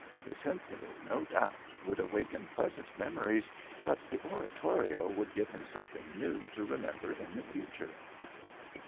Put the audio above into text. The Symphony, no doubt, would awaken pleasant memories, but the Oratorio would give him something new to remember in the future."